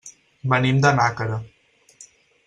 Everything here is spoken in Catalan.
Venim de Nàquera.